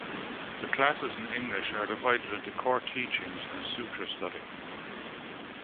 The classes in English are divided into Core Teachings and Sutra Study.